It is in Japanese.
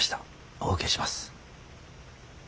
お受けします。